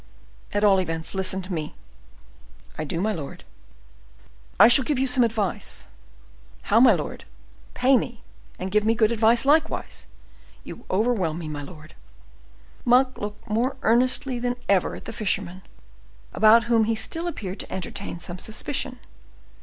"At all events, listen to me." "I do, my lord." "I shall give you some advice." "How, my lord!—pay me and give me good advice likewise! You overwhelm me, my lord." Monk looked more earnestly than ever at the fisherman, about whom he still appeared to entertain some suspicion.